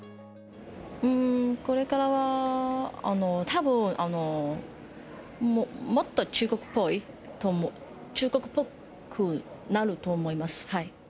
これからはたぶん、もっと中国っぽい、中国っぽくなると思います。